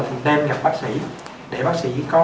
thì đem gặp bác sĩ để bác sĩ có